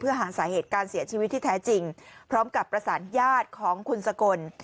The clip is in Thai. เพื่อหาสาเหตุการเสียชีวิตที่แท้จริงพร้อมกับประสานญาติของคุณสกล